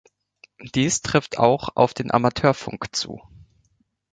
Dies trifft auch auf den Amateurfunk zu.